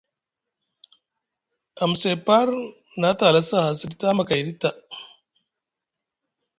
Amsay par na te halasi aha siɗi tamakayɗi taa.